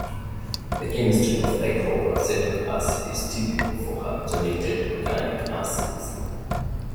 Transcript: The chemistry of dichloroacetic acid is typical for halogenated organic acids.